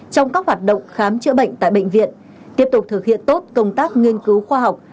trong các hoạt động khám chữa bệnh tại bệnh viện tiếp tục thực hiện tốt công tác nghiên cứu khoa học